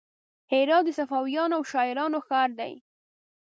هرات د صوفیانو او شاعرانو ښار دی.